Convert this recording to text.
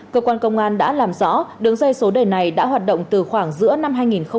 cơ quan công an đã làm rõ đường dây số đề này đã hoạt động từ khoảng giữa năm hai nghìn một mươi tám